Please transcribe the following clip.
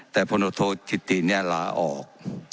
แต่พลโทจิติเนี่ยลาออก